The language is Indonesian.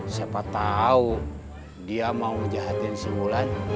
siapa tau dia mau ngejahatin si wulan